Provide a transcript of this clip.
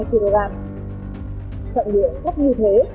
trọng điện thấp như thế